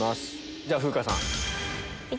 じゃあ風花さん。